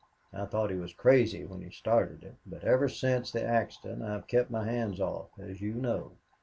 I thought he was crazy when he started it, but ever since the accident I've kept my hands off, as you know.